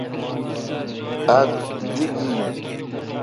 اک دی گین۔